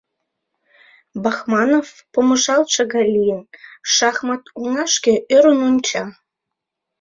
Бахманов, помыжалтше гай лийын, шахмат оҥашке ӧрын онча.